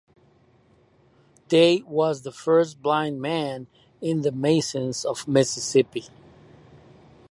Day was the first blind man in the Masons of Mississippi.